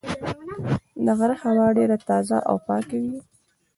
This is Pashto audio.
د غره هوا ډېره تازه او پاکه وي.